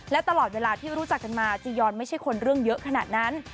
และตลอดเวลาที่รู้จักกันมาจียอนไม่ใช่คนเรื่องเยอะขนาดนั้น